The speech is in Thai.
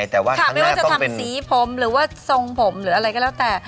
ไม่ว่าจะทำสีผมหรือว่าทรงผมหรืออะไรก็แล้วแต่